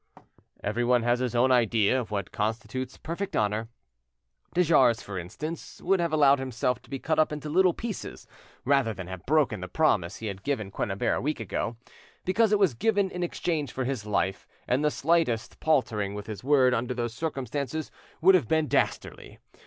Everyone has his own idea of what constitutes perfect honour. De Jars, for instance, would have allowed himself to be cut up into little pieces rather than have broken the promise he had given Quennebert a week ago, because it was given in exchange for his life, and the slightest paltering with his word under those circumstances would have been dastardly.